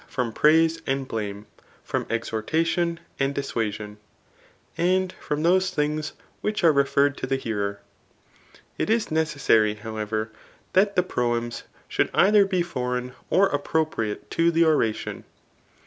from praise and blame j from exhortation Arist. VOL. I. B. <258 THS ART OF BpOK III. and dissuasion, and from those things tvhich are refer* red to the hearer. It is necessary, however, that the proems should either be foreign, or appropriate to the oration.